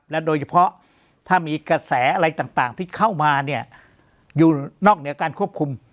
โดยเฉพาะถ้ามีกระแสอะไรต่างที่เข้ามาเนี่ยอยู่นอกเหนือการควบคุม